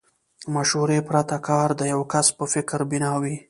مشورې پرته کار د يوه کس په فکر بنا وي.